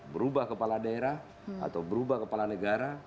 berubah kepala daerah atau berubah kepala negara